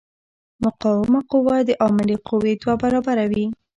مقاومه قوه د عاملې قوې دوه برابره وي.